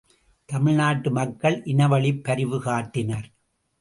தமிழ் நாட்டு மக்கள் இனவழிப் பரிவு காட்டினர்.